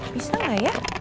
bisa gak ya